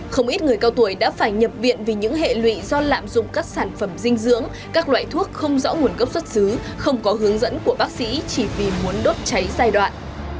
không ít người cao tuổi đã phải nhập viện vì những hệ lụy do lạm dụng các sản phẩm dinh dưỡng các loại thuốc không rõ nguồn gốc xuất xứ không có hướng dẫn của bác sĩ chỉ vì muốn đốt cháy giai đoạn